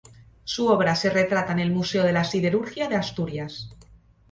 Su obra se retrata en el Museo de la Siderurgia de Asturias.